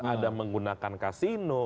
ada menggunakan kasino